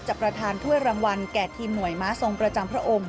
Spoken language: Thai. ประธานถ้วยรางวัลแก่ทีมหน่วยม้าทรงประจำพระองค์